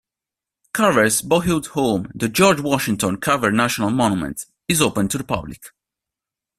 Carver's boyhood home, the George Washington Carver National Monument, is open to the public.